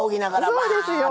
そうですよ。